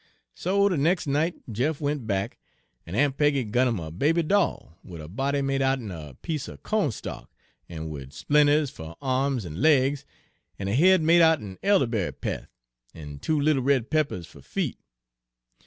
"So de nex' night Jeff went back, en Aun' Peggy gun 'im a baby doll, wid a body made out'n a piece er co'n stalk, Page 208 en wid splinters fer a'ms en laigs, en a head made out'n elderberry peth, en two little red peppers fer feet.